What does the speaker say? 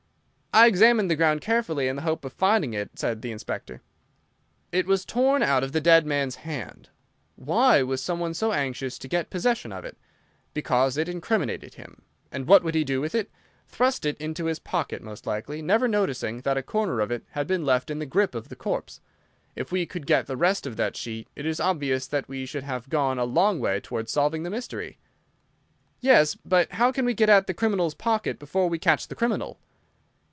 "I examined the ground carefully in the hope of finding it," said the Inspector. "It was torn out of the dead man's hand. Why was some one so anxious to get possession of it? Because it incriminated him. And what would he do with it? Thrust it into his pocket, most likely, never noticing that a corner of it had been left in the grip of the corpse. If we could get the rest of that sheet it is obvious that we should have gone a long way towards solving the mystery." "Yes, but how can we get at the criminal's pocket before we catch the criminal?"